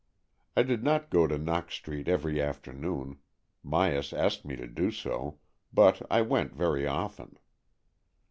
I did not go to Knox Street every afternoon — Myas asked me to do so — but I went very often.